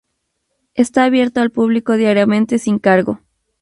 Está abierto al público diariamente sin cargo.